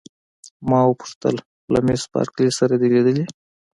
ما وپوښتل: له مس بارکلي سره دي لیدلي؟